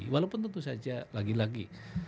walaupun tentu saja lagi lagi